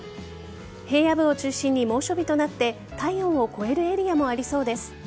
平野部を中心に猛暑日となって体温を超えるエリアもありそうです。